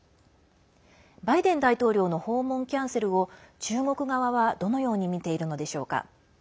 バイデン大統領の訪問キャンセルを中国側はどのように見ているのでしょうか。